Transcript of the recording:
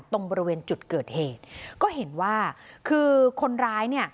ตรงบริเวณจุดเกิดเหตุก็เห็นว่าคือคนร้ายเนี่ย